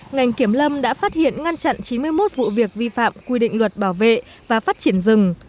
ngành kiểm lâm đã phát hiện ngăn chặn chín mươi một vụ việc vi phạm quy định luật bảo vệ và phát triển rừng